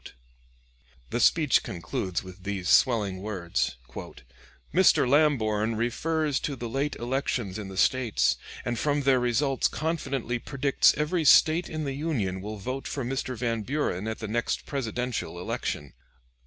] The speech concludes with these swelling words: "Mr. Lamborn refers to the late elections in the States, and from their results confidently predicts every State in the Union will vote for Mr. Van Buren at the next Presidential election.